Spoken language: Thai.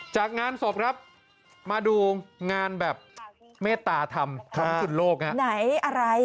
จากงานศพครับมาดูงานแบบเมตตาธรรมครั้งสุดโลกไหนอะไร